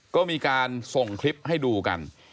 ก็มีการส่งคลิปให้ดูกัน